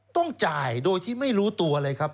ต้องจ่ายโดยที่ไม่รู้ตัวเลยครับ